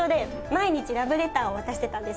毎日ラブレターを渡してたんですよ。